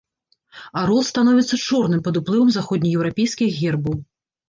Арол становіцца чорным пад уплывам заходнееўрапейскіх гербаў.